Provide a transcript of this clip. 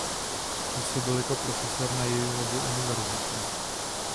Působil jako profesor na Yaleově univerzitě.